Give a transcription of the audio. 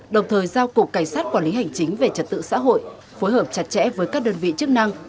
đồng thời giao cục cảnh sát quản lý hành chính về trật tự xã hội phối hợp chặt chẽ với các đơn vị chức năng